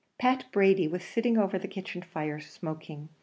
Pat Brady was sitting over the kitchen fire, smoking.